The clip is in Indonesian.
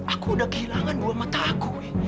aku udah kehilangan dua mata aku